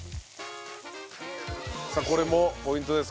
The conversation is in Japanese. さあこれもポイントです。